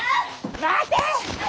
待て！